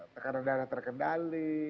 tekanan darah terkendali